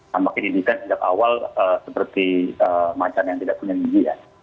tampaknya didesain sejak awal seperti macan yang tidak punya gigi ya